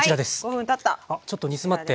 あっちょっと煮詰まって。